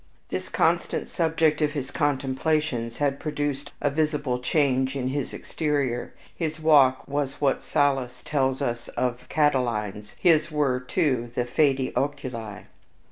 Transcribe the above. This constant subject of his contemplations had produced a visible change in his exterior, his walk was what Sallust tells us of Catiline's, his were, too, the "faedi oculi."